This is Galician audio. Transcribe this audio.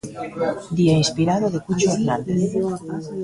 Día inspirado de Cucho Hernández.